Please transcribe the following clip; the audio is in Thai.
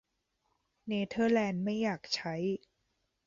เนเธอร์แลนด์ไม่อยากใช้